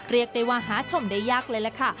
เรียกได้ว่าหาชมได้ยากเลยล่ะค่ะ